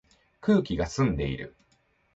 空気が澄んでいる